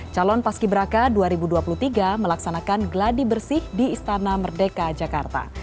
calon paski braka dua ribu dua puluh tiga melaksanakan gladi bersih di istana merdeka jakarta